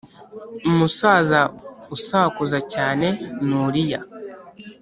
umusaza usakuza cyane ni uriya